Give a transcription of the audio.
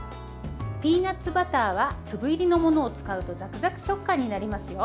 ピーナツバターは粒入りのものを使うとザクザク食感になりますよ。